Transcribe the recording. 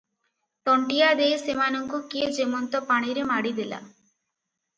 ତଣ୍ଟିଆ ଦେଇ ସେମାନଙ୍କୁ କିଏ ଯେମନ୍ତ ପାଣିରେ ମାଡ଼ିଦେଲା ।